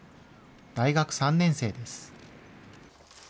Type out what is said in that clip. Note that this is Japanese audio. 大学３年生です。